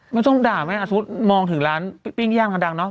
ไม่ต้องด่าแม่สมมุติมองถึงร้านปิ้งย่างกันดังเนอ